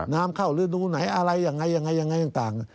น้ำเข้าฤดูไหนอะไรยังไงยังไงต่าง